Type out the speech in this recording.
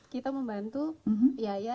kita membantu yaya